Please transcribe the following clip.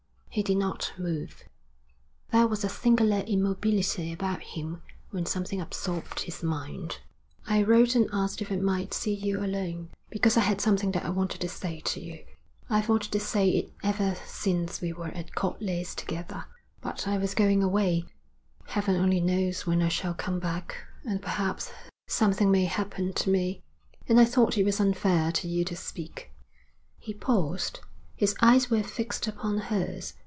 He did not move. There was a singular immobility about him when something absorbed his mind. 'I wrote and asked if I might see you alone, because I had something that I wanted to say to you. I've wanted to say it ever since we were at Court Leys together, but I was going away heaven only knows when I shall come back, and perhaps something may happen to me and I thought it was unfair to you to speak.' He paused. His eyes were fixed upon hers.